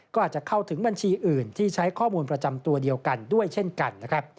ก็อาจจะเข้าถึงบัญชีอื่นที่ใช้ข้อมูลประจำตัวเดียวกันด้วยเช่นกันนะครับ